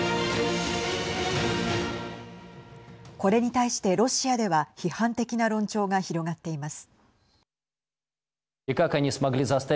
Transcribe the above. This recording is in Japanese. これに対してロシアでは批判的な論調が広がっています。